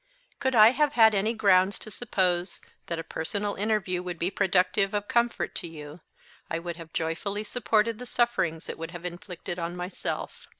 "Could I have had any grounds to suppose that a personal interview would be productive of comfort to you, I would have joyfully supported the sufferings it would have inflicted on myself.